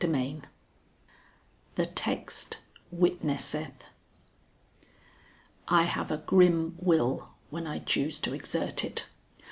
XXVII THE TEXT WITNESSETH I have a grim will when I choose to exert it.